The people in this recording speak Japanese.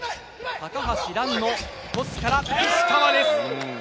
高橋藍のトスから石川です。